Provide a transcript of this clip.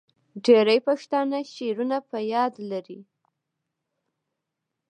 ډیری پښتانه شعرونه په یاد لري.